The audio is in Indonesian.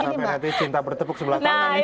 sampai nanti cinta bertepuk sebelah tangan